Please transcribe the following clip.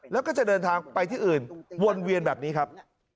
แล้วก็จะเดินทางไปที่อื่นวนเวียนแบบนี้ครับ